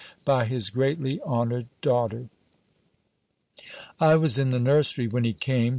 by his greatly honoured daughter. I was in the nursery when he came.